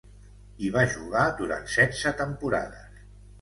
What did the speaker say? Hi va jugar durant setze temporades.